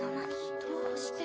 どうして？